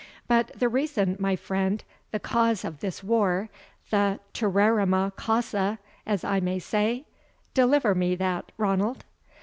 But the reason, my friend, the cause of this war the TETERRIMA CAUSA, as I may say? Deliver me that, Ranald."